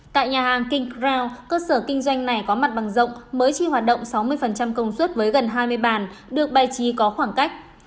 tại nhà hàng king crown cơ sở kinh doanh này có mặt bằng rộng mới chỉ hoạt động sáu mươi công suất với gần hai mươi bàn được bày trí có khoảng cách